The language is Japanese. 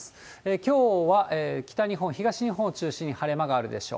きょうは北日本、東日本を中心に晴れ間があるでしょう。